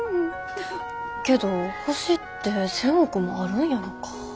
けど星って１，０００億もあるんやろか。